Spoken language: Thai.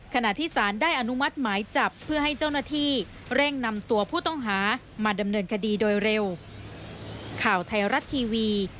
ขณะที่สารได้อนุมัติหมายจับเพื่อให้เจ้าหน้าที่เร่งนำตัวผู้ต้องหามาดำเนินคดีโดยเร็ว